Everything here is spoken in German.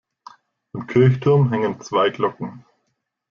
Im Kirchturm hängen zwei Glocken.